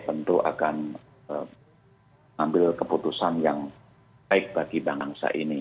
tentu akan mengambil keputusan yang baik bagi bangsa ini